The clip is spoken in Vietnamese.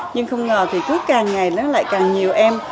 nhưng không ngờ thì cứ càng ngày nó lại càng nhiều em